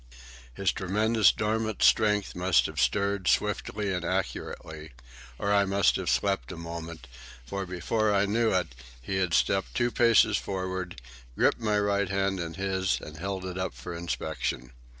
His tremendous, dormant strength must have stirred, swiftly and accurately, or I must have slept a moment, for before I knew it he had stepped two paces forward, gripped my right hand in his, and held it up for inspection.